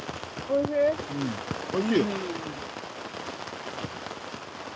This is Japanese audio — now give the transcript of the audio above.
おいしい！